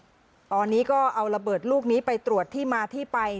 ตอนนี้ก็เอาระเบิดลูกนี้ไปตรวจที่มาที่ไป